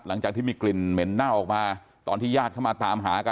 หลังจากที่มีกลิ่นเหม็นเน่าออกมาตอนที่ญาติเข้ามาตามหากัน